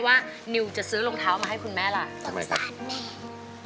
ว่านิวจะซื้อรองเท้ามาให้คุณแม่ละทำไมครับวันยังไม่เขาไหว